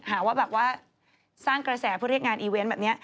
หาว่าแบบว่าสร้างกระแสเพื่อเรียกงานอีเวนต์แบบนี้